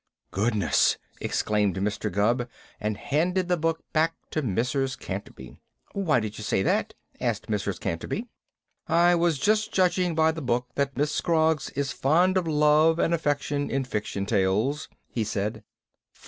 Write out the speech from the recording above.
'" "Goodness!" exclaimed Mr. Gubb, and handed the book back to Mrs. Canterby. "Why did you say that?" asked Mrs. Canterby. "I was just judging by the book that Miss Scroggs is fond of love and affection in fiction tales," he said.